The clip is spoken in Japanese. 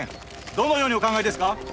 どのようにお考えですか？